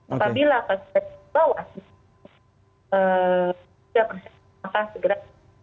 apabila pasien bawah tidak harus diberi masalah segera